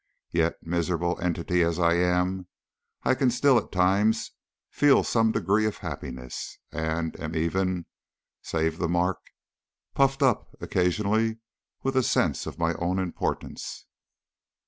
Yet, miserable entity as I am, I can still at times feel some degree of happiness, and am even save the mark! puffed up occasionally with a sense of my own importance."